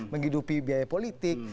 menghidupi biaya politik